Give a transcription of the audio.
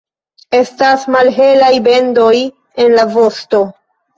Estas malhelaj bendoj en la vosto.